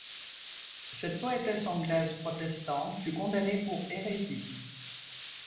Cette poétesse anglaise protestante fut condamnée pour hérésie.